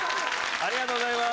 ありがとうございます。